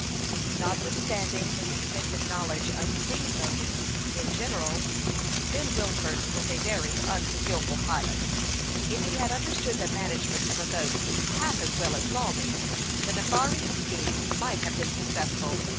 Notwithstanding his extensive knowledge of " steamboating " in general, Ben Wilford was a very unskilful pilot. If he had understood the man agement of a boat half as well as Lawry, the nefa rious scheme might have been successful.